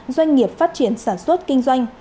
doanh nghiệp phát triển sản xuất kinh doanh